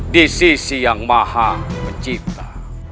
di sisi yang maha pencipta